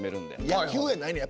野球やないのや。